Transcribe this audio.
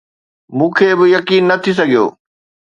مون کي به يقين نه ٿي سگهيو